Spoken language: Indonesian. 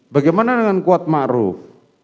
bagaimana dengan kuat ma'ruf